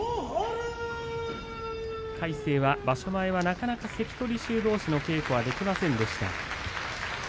魁聖は場所前はなかなか関取衆どうしの稽古ができませんでした。